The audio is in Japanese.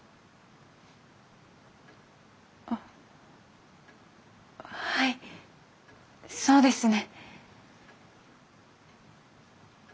あっはいそうですね。